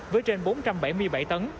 với trên bốn trăm bảy mươi bảy tấn